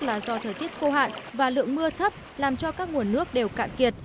là do thời tiết khô hạn và lượng mưa thấp làm cho các nguồn nước đều cạn kiệt